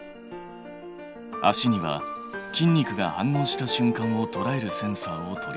足には筋肉が反応したしゅんかんをとらえるセンサーを取り付けた。